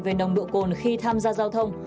về nồng độ cồn khi tham gia giao thông